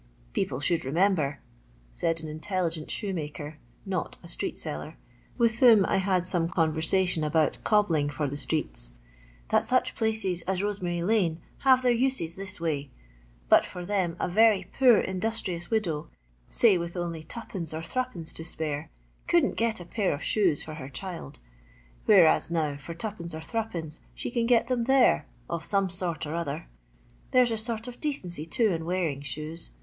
People should remember," said an intelligent shoemaker (not a street seller) with whom I had some conversation about cobbling for the streets, "that such places as Rosemary lane have their uses this way. But for them a very poor indus trious widow, say, with only 2d. or %d, to spare, couldn't get a pair of shoes for her child ; whereas now, for 2d. or 3(/., she can get them there, of some sort or other. There 's a sort of decency, too, in wearing shoes.